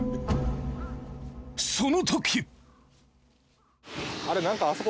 その時！